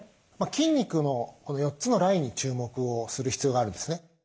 筋肉のこの４つのラインに注目をする必要があるんですね。